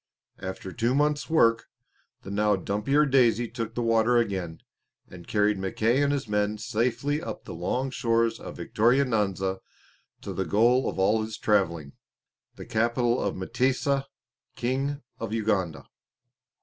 After two months' work the now dumpier Daisy took the water again, and carried Mackay and his men safely up the long shores of Victoria Nyanza to the goal of all his travelling, the capital of M'tesa, King of Uganda.